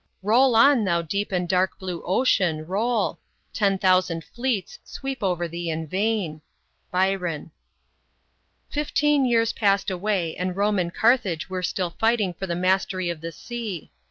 " Roll on, thou deep and dark blue Ocean roll ; Ten thousand fleets sweep over thee in vain." BYRON. FIFTEEN years passed away and Rome and Car thage were still fighting for the mastery of the sea.